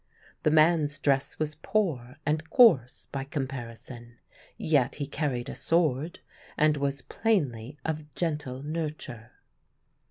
The man's dress was poor and coarse by comparison; yet he carried a sword, and was plainly of gentle nurture.